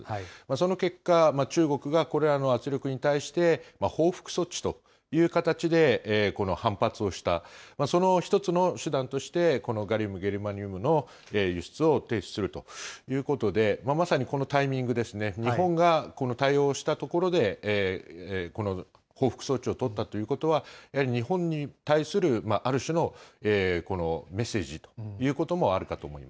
その結果、中国がこれらの圧力に対して、報復措置という形で、この反発をした、その１つの手段として、このガリウム、ゲルマニウムの輸出を停止するということで、まさにこのタイミングですね、日本がこの対応したところで、この報復措置を取ったということは、やはり日本に対するある種のメッセージということもあるかと思い